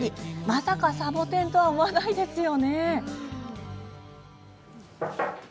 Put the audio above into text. まさかサボテンとは思わないですよね。